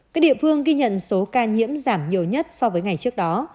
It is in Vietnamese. các địa phương ghi nhận số ca nhiễm giảm nhiều nhất so với ngày trước đó